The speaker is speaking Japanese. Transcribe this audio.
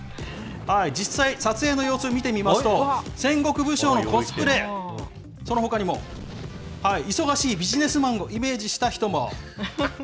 実際、撮影の様子を見てみますと、戦国武将のコスプレ、そのほかにも忙しいビジネスマンをイメージした人も。